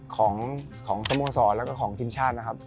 ของสโมสรแล้วก็ของทีมชาตินะครับ